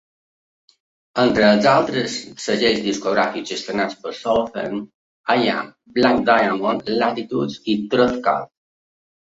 Entre els altres segells discogràfics gestionats per Southern hi ha Black Diamond, Latitudes i Truth Cult.